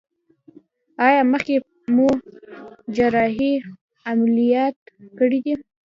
ایا مخکې مو جراحي عملیات کړی دی؟